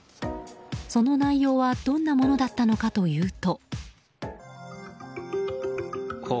その内容はどんなものだったのかというと。